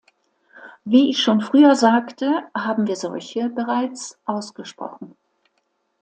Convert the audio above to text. Wie ich schon früher sagte, haben wir solche bereits ausgesprochen.